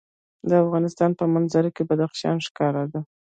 د افغانستان په منظره کې بدخشان ښکاره ده.